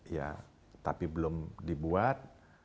ya tapi belum dibuat